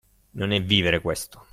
Non è vivere, questo!